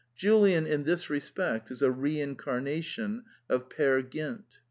Julian, in this re spect, is a reincarnation of Peer Gynt.